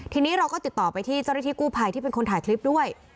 ทีนี้เราก็ติดต่อไปที่เจ้าหน้าที่กู้ภัยที่เป็นคนถ่ายคลิปด้วย